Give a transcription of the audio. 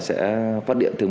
sẽ phát điện gió